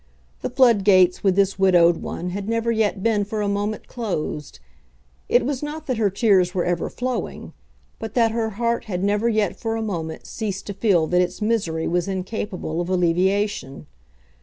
The floodgates with this widowed one had never yet been for a moment closed. It was not that her tears were ever flowing, but that her heart had never yet for a moment ceased to feel that its misery was incapable of alleviation.